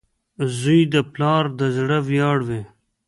• زوی د پلار د زړۀ ویاړ وي.